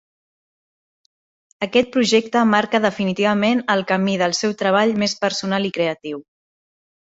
Aquest projecte marca definitivament el camí del seu treball més personal i creatiu.